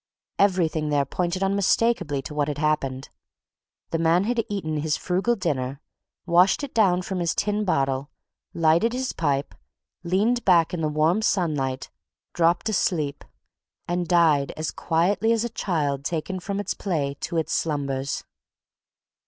Everything there pointed unmistakably to what had happened. The man had eaten his frugal dinner, washed it down from his tin bottle, lighted his pipe, leaned back in the warm sunlight, dropped asleep and died as quietly as a child taken from its play to its slumbers.